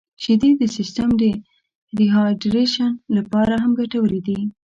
• شیدې د سیستم د ریهایدریشن لپاره هم ګټورې دي.